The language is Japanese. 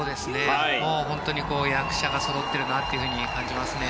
本当に役者がそろっているなと感じますね。